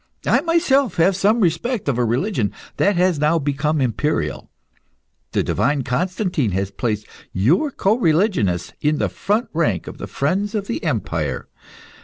I myself have some respect of a religion that has now become imperial. The divine Constantine has placed your co religionists in the front rank of the friends of the empire.